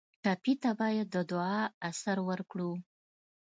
ټپي ته باید د دعا اثر ورکړو.